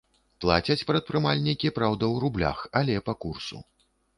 Плацяць прадпрымальнікі, праўда, у рублях, але па курсу.